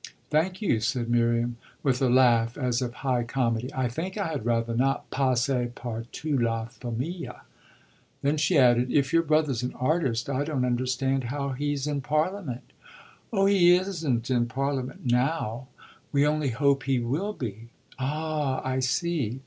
"Thank you," said Miriam with a laugh as of high comedy. "I think I had rather not passer par toute la famille!" Then she added: "If your brother's an artist I don't understand how he's in Parliament." "Oh he isn't in Parliament now we only hope he will be." "Ah I see."